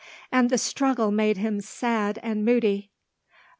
And the struggle made him sad and moody.